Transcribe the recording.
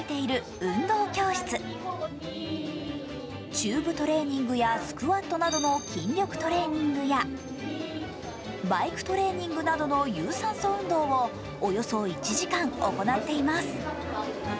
チューブトレーニングやスクワットなどの筋力トレーニングや、バイクトレーニングなどの有酸素運動をおよそ１時間行っています。